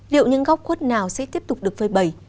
liệu những góc quất nào sẽ tiếp tục được phơi bẩy